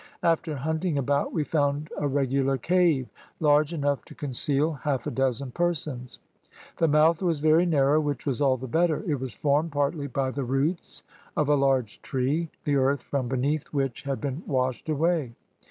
After hunting about we found a regular cave, large enough to conceal half a dozen persons. The mouth was very narrow, which was all the better; it was formed partly by the roots of a large tree, the earth from beneath which had been washed away.